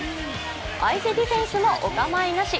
相手ディフェンスもお構いなし。